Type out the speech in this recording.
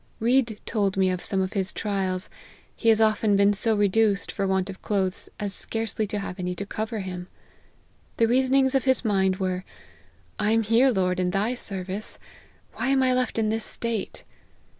Read told me some of his trials ; he has often been so reduced, for want of clothes, as scarcely to have any to cover him. The reasonings of his mind were, I am here, Lord, in thy service ; why am I left in this state